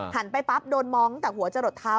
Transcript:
ไปปั๊บโดนมองตั้งแต่หัวจะหลดเท้า